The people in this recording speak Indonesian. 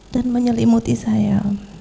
dan menyelimuti saya